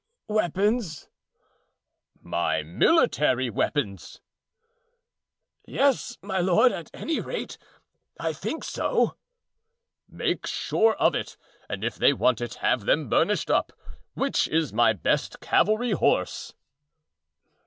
"What weapons?" "My military weapons." "Yes, my lord; at any rate, I think so." "Make sure of it, and if they want it, have them burnished up. Which is my best cavalry horse?"